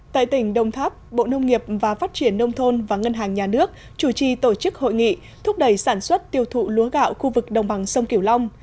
tại tỉnh đồng tháp bộ nông nghiệp và phát triển nông thôn và ngân hàng nhà nước chủ trì tổ chức hội nghị thúc đẩy sản xuất tiêu thụ lúa gạo khu vực đồng bằng sông kiểu long